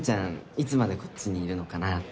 いつまでこっちにいるのかなって。